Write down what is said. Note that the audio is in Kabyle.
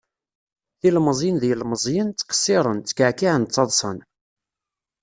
Tilmeẓyin d yilmeẓyen, tqesiren, tkeɛkiɛen taḍṣan.